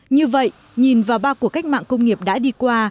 như vậy nhìn vào ba cuộc cách mạng công nghiệp đã đi qua